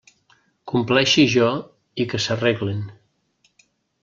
Compleixi jo, i que s'arreglen.